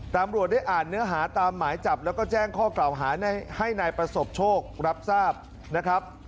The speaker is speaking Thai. ตำรวจได้อ่านเนื้อหาตามหมายจับแล้วก็แจ้งข้อกล่าวหาให้นายประสบโชครับทราบนะครับ